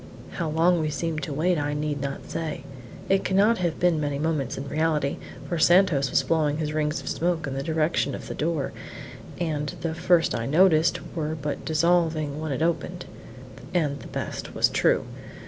How long we seemed to wait I need not say. It cannot have been many moments in reality, for Santos was blowing his rings of smoke in the direction of the door, and the first that I noticed were but dissolving when it opened and the best was true!